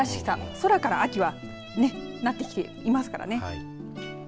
空から秋はなってきていますからね。